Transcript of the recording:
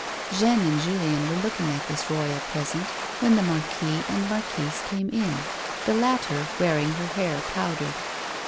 Jeanne and Julien were looking at this royal present when the marquis and marquise came in, the latter wearing her hair powdered.